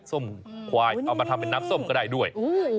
ส้มควายเอามาทำเป็นน้ำส้มก็ได้ด้วย